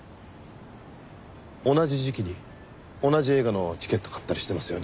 同じ時期に同じ映画のチケット買ったりしてますよね。